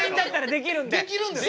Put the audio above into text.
できるんですか？